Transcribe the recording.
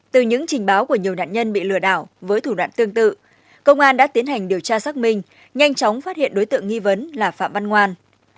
từ những trình báo của nhiều nạn nhân bị lừa đảo với thủ đoạn tương tự công an đã tiến hành điều tra xác minh nhanh chóng phát hiện đối tượng nghi vấn là phạm văn ngoan